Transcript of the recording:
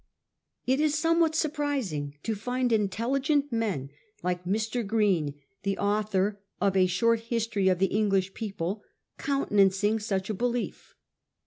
It is somewhat surprising to find intelligent men like Mr. Green, the author of ' A Short History of the English People,' countenancing such a belief.